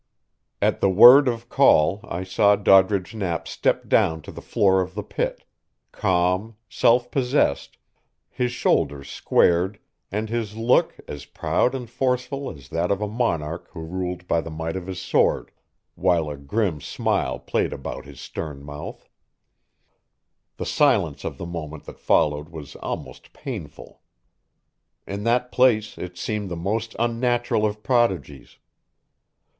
At the word of call I saw Doddridge Knapp step down to the floor of the pit, calm, self possessed, his shoulders squared and his look as proud and forceful as that of a monarch who ruled by the might of his sword, while a grim smile played about his stern mouth. The silence of the moment that followed was almost painful. In that place it seemed the most unnatural of prodigies.